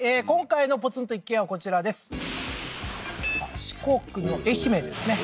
今回のポツンと一軒家はこちらです